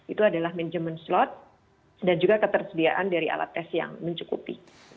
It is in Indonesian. itu adalah manajemen slot dan juga ketersediaan dari alat tes yang mencukupi